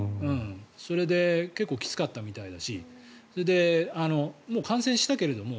それで結構きつかったみたいだしもう感染したけれども。